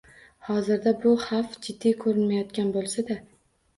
Hozirda bu xavf jiddiy ko‘rinmayotgan bo‘lsa-da